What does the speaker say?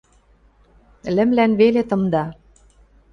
– Лӹмлӓн веле тымда...